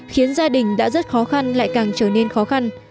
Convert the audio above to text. khiến gia đình đã rất khó khăn lại càng trở nên khó khăn